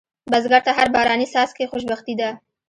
بزګر ته هر باراني څاڅکی خوشبختي ده